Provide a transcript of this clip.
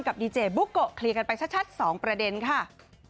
ดีเจบุ๊กโกะเคลียร์กันไปชัด๒ประเด็นค่ะ